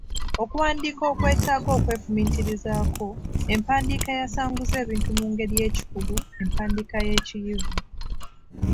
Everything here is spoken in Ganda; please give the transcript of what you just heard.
Okuwandiika okwetaaga okwefumiitirizaako, empandiika eyasanguza ebintu mu ngeri y’ekikugu, empandiika y’ekiyivu.